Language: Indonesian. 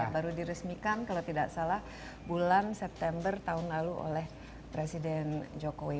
baru diresmikan kalau tidak salah bulan september tahun lalu oleh presiden jokowi